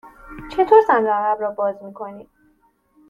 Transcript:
چطور صندوق عقب را باز می کنید؟